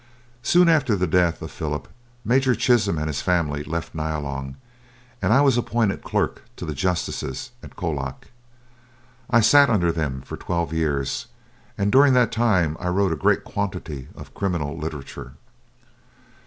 Soon after the death of Philip, Major Chisholm and his family left Nyalong, and I was appointed Clerk to the Justices at Colac. I sat under them for twelve years, and during that time I wrote a great quantity of criminal literature.